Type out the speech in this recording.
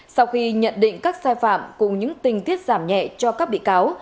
sau khi nhận định các sai phạm cùng những tình tiết giảm nhẹ cho các bị cáo